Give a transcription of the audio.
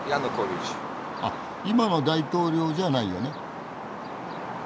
あっ今の大統領じゃないよね？